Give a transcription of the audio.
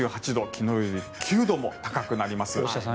昨日より９度も高くなります。